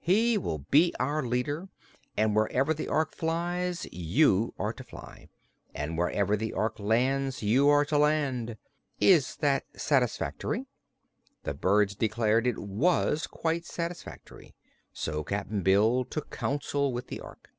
"He will be our leader, and wherever the Ork flies you are to fly, and wherever the Ork lands you are to land. Is that satisfactory?" The birds declared it was quite satisfactory, so Cap'n Bill took counsel with the Ork.